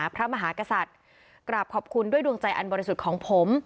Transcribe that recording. พระมหากษัตริย์กราบขอบคุณด้วยดวงใจอันบริสุทธิ์ของผม